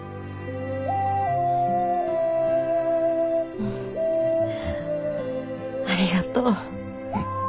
うんありがとう。